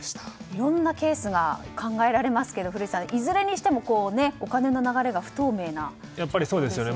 いろんなケースが考えられますけどいずれにしてもお金の流れが不透明ということですね。